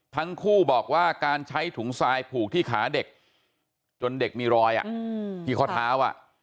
ทั้งคู่บอกว่าการใช้ถุงทรายผูกที่ขาเด็กจนเด็กมีรอยที่ข้อเท้า